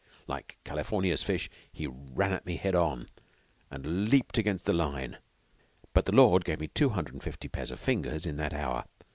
Like California's fish, he ran at me head on, and leaped against the line, but the Lord gave me two hundred and fifty pairs of fingers in that hour.